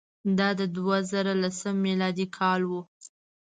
دا د دوه زره لسم میلادي کال وو.